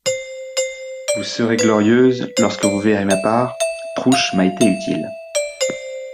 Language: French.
Vous serez glorieuse, lorsque vous verrez ma part … Trouche m'a été utile.